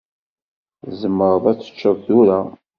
Tzemreḍ ad teččeḍ tura.